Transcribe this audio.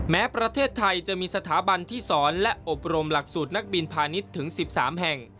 แม้ประเทศไทยจะมีสถาบันที่สอนและอบรมหลักสูตรนักบินพาณิชย์ถึง๑๓แห่ง